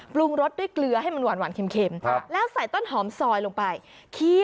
ปรุงรสด้วยเกลือให้มันหวานเค็มแล้วใส่ต้นหอมซอยลงไป